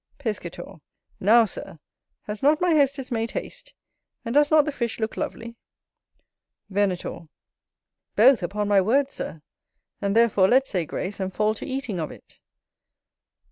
Piscator. NOW, Sir, has not my hostess made haste? and does not the fish look lovely? Venator. Both, upon my word, Sir; and therefore let's say grace and fall to eating of it.